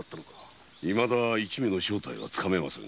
いまだ一味の正体はつかめません。